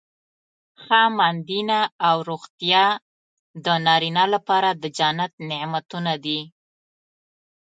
ښه ماندینه او روغتیا د نارینه لپاره د جنت نعمتونه دي.